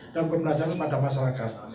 dan pembelajaran kepada masyarakat